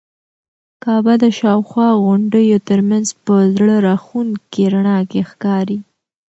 کعبه د شاوخوا غونډیو تر منځ په زړه راښکونکي رڼا کې ښکاري.